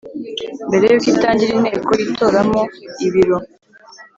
Mbere yuko itangira inteko yitoramo ibiro.